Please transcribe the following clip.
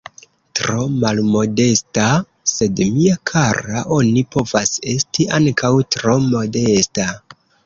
Tro malmodesta? Sed mia kara, oni povas esti ankaŭ tro modesta.